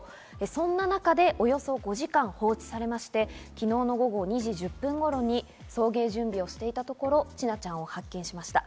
そんな中で、およそ５時間放置されまして、昨日の午後２時１０分頃に送迎準備をしていたところ千奈ちゃんを発見しました。